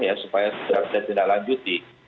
ya supaya sudah tidak lanjuti